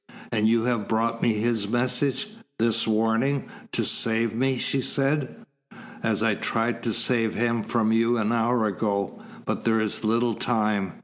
"And you have brought me his message this warning to save me?" she said. "As I tried to save him from you an hour ago. But there is little time.